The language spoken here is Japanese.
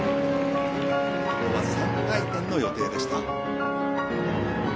ここは３回転の予定でした。